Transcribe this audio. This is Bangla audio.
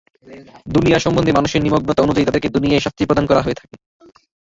দুনিয়া সম্বন্ধে মানুষের নিমগ্নতা অনুযায়ীই তাদেরকে দুনিয়ায় শাস্তি প্রদান করা হয়ে থাকে।